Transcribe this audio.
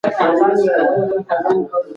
کار ته په سهار کې وختي لاړ شه.